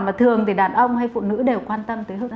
mà thường thì đàn ông hay phụ nữ đều quan tâm tới hấp dẫn